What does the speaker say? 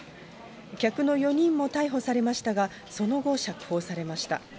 客の４人も逮捕されましたが、その後、釈放されました。